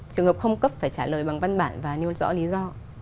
trường hợp không cấp phải trả lời bằng văn bản và nêu rõ lý do